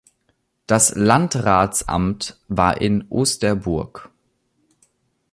Das Landratsamt war in Osterburg.